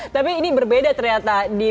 tapi ini berbeda ternyata di